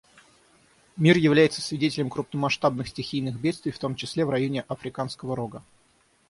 Мир является свидетелем крупномасштабных стихийных бедствий, в том числе в районе Африканского Рога.